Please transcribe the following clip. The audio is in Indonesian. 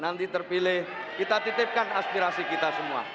nanti terpilih kita titipkan aspirasi kita semua